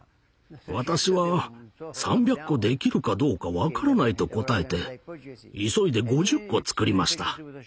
私は「３００個できるかどうか分からない」と答えて急いで５０個つくりました。